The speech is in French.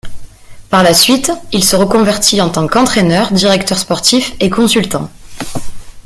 Par la suite, il se reconvertit en tant qu'entraîneur, directeur sportif et consultant.